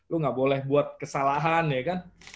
lu gak boleh buat kesalahan ya kan